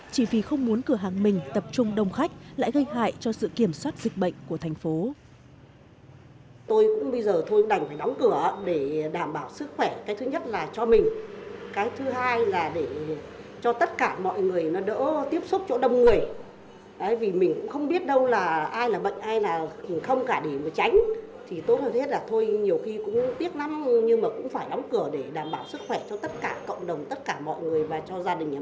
chỉ vì không muốn cửa hàng mình tập trung đông khách lại gây hại cho sự kiểm soát dịch bệnh của thành phố